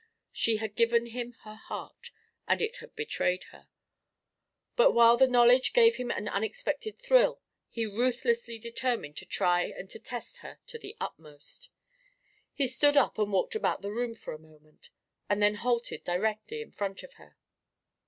She had given him her heart, and it had betrayed her. But while the knowledge gave him an unexpected thrill, he ruthlessly determined to try and to test her to the utmost. He stood up and walked about the room for a moment, and then halted directly in front of her.